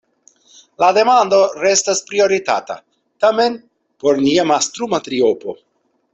La demando restas prioritata, tamen, por nia mastruma triopo.